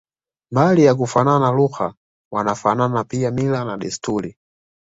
Mbali ya kufanana lugha wanafanana pia mila na desturi